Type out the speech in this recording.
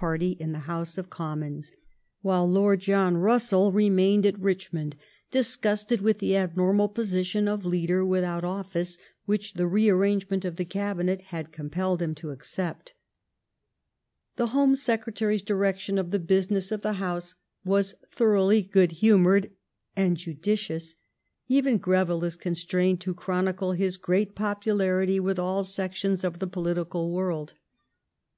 party in the House of Commons, while Lord John Bussell remained at Richmond, di« gnsted with the abnormal position of leader without office, which the rearrangement of the Cabinet had com pelled him to accept. The Home Secretary's direction of the business of the House was thoroughly good humoured and judicious; eyen Greyille is constrained to ehronide his great popularity with all sections of the political world.